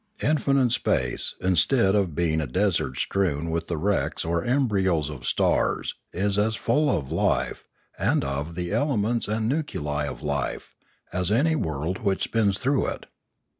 Infinite space, instead of being a desert strewn with the wrecks or embryos of stars, is as full of life, and of the elements and nuclei of life, as any world which spins through it.